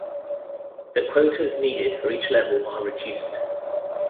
The quotas needed for each level are reduced.